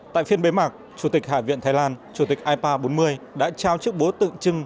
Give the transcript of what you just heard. tại phiên bế mạc chủ tịch hải viện thái lan chủ tịch ipa bốn mươi đã trao chức bố tượng trưng